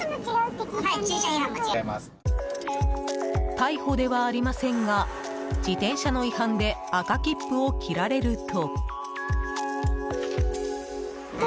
逮捕ではありませんが自転車の違反で赤切符を切られると。